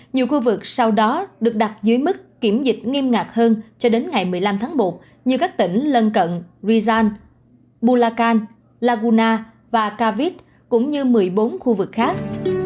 nhiều khu vực sau đó được đặt dưới mức kiểm dịch nghiêm ngặt hơn cho đến ngày một mươi năm tháng một như các tỉnh lân cận rizan bulakal laguna và kavit cũng như một mươi bốn khu vực khác